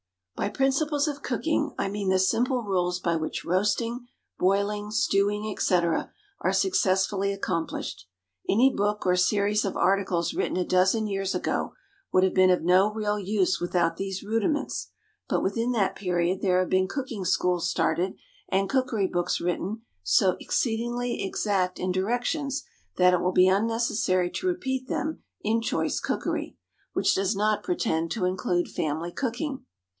By principles of cooking I mean the simple rules by which roasting, boiling, stewing, etc., are successfully accomplished. Any book or series of articles written a dozen years ago would have been of no real use without these rudiments, but within that period there have been cooking schools started and cookery books written so exceedingly exact in directions that it will be unnecessary to repeat them in "Choice Cookery," which does not pretend to include family cooking.